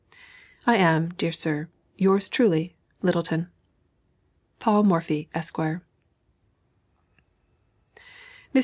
I am, dear sir, yours truly, LYTTELTON. PAUL MORPHY, ESQ. Mr.